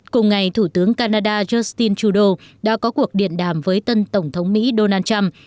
cùng ngày thủ tướng canada justin trudeau đã có cuộc điện đàm với tân tổng thống mỹ donald trump